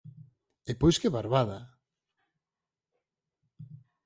E pois que parvada?